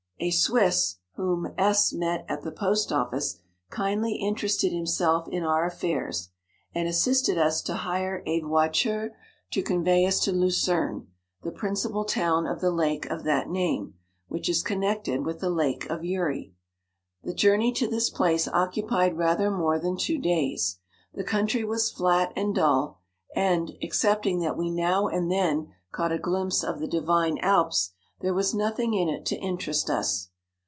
A Swiss, whom S met at the post office, kindly interested himself in our affairs, and assisted us to hire a voiture 46 to convey us to Lucerne, the principal town of the lake of that name, which is connected with the lake of Uri. The journey to this place occupied rather more than two days. The country was flat and dull, and, excepting that we now and then caught a glimpse of the divine Alps, there was nothing in it to interest us.